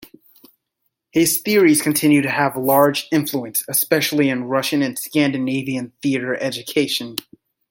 His theories continue to have large influence, especially in Russian and Scandinavian theatre education.